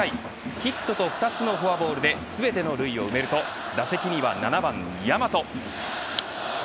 ヒットと２つのフォアボールで全ての塁を埋めると打席には７番、大和。